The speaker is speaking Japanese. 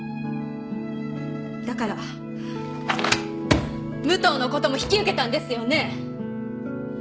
だから武藤のことも引き受けたんですよね？